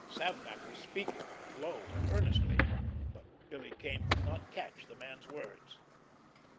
Savnak was speaking, low and earnestly, but Billy Kane could not catch the man's words.